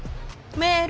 メール？